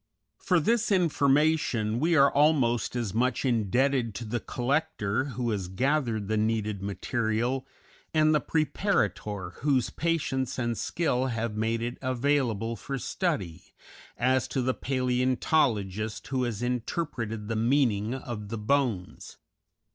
For this information we are almost as much indebted to the collector who has gathered the needed material, and the preparator whose patience and skill have made it available for study, as to the palæontologist who has interpreted the meaning of the bones.